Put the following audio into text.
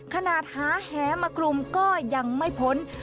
ขนาดหาแหมากลุ่มก็ยังไม่พ้น